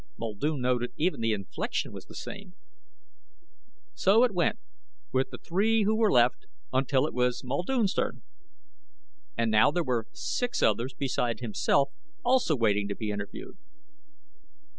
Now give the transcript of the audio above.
Muldoon noted even the inflection was the same. So it went with the three who were left, until it was Muldoon's turn. And now there were six others beside himself also waiting to be interviewed.